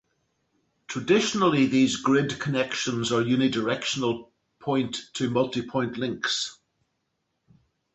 Traditionally, these grid connections are unidirectional point to multipoint links.